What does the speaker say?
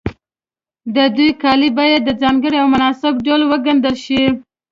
د دوی کالي باید په ځانګړي او مناسب ډول وګنډل شي.